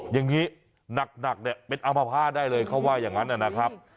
อย่างนี้หนักเนี่ยเป็นอามภาษณได้เลยเขาว่าอย่างนั้นนะครับ